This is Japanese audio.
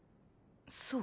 そう